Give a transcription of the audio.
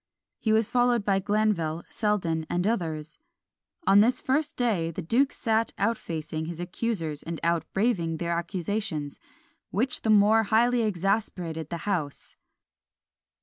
He was followed by Glanville, Selden, and others. On this first day the duke sat out facing his accusers and out braving their accusations, which the more highly exasperated the house.